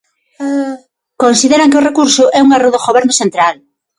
Consideran que o recurso é un erro do Goberno central.